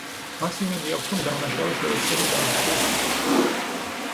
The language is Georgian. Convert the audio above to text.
მას იმედი აქვს რომ დამნაშავე შეეცდება დაასრულოს საქმე.